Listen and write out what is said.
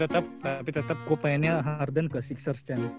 tapi tetap gue pengennya harden ke sixers chen